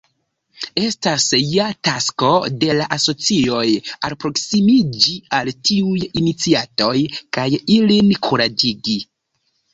Estas ja tasko de la asocioj alproksimiĝi al tiuj iniciatoj kaj ilin kuraĝigi.